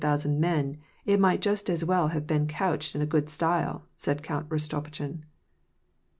» thousand men, it might just as well have been couched in a good style !"* said Count Rostopchin.